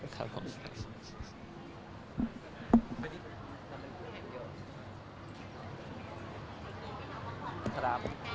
อเจมส์ทำไมครับ